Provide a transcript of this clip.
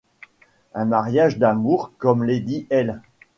Un mariage d’amour comme lady L.